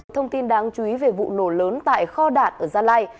thông tin đáng chú ý về vụ nổ lớn tại kho đạn ở gia lai